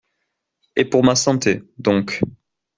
Et pour ma santé, donc!